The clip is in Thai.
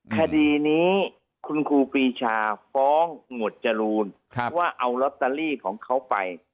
คดีนี้คุณครูปีชาฟ้องหมวดจรูนว่าเอาลอตเตอรี่ของเขาไป